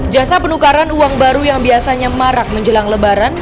jasa penukaran uang baru yang biasanya marak menjelang lebaran